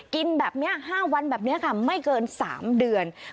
กินแบบนี้๕วันแบบนี้ค่ะไม่เกิน๓เดือน